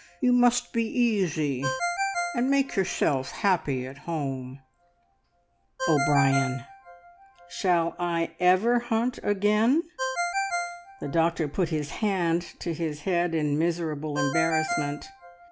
You must be easy, and make yourself happy at home." "O'Brien, shall I ever hunt again?" The doctor put his hand to his head in miserable embarrassment.